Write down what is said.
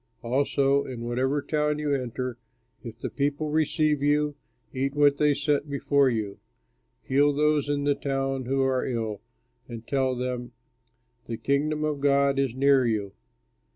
"Also in whatever town you enter, if the people receive you, eat what they set before you. Heal those in that town who are ill, and tell them, 'The Kingdom of God is near you.'